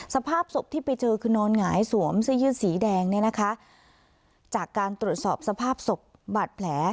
สภาพศพที่ไปเจอคือนอนหงายสวมเสื้อยืดสีแดงเนี่ยนะคะจากการตรวจสอบสภาพศพบาดแผล